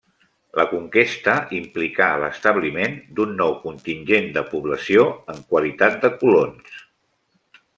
La conquesta implicà l'establiment d'un nou contingent de població en qualitat de colons.